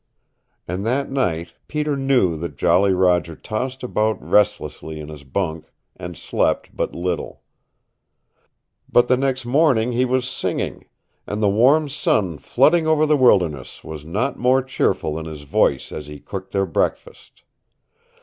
And that night Peter knew that Jolly Roger tossed about restlessly in his bunk, and slept but little. But the next morning he was singing, and the warm sun flooding over the wilderness was not more cheerful than his voice as he cooked their breakfast.